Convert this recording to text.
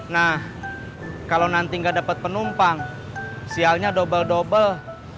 nah kalau nanti nggak dapet penumpang sialnya dobel dobel